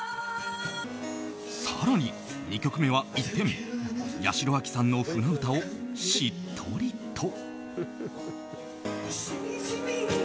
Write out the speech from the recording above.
更に、２曲目は一転八代亜紀さんの「舟唄」をしっとりと。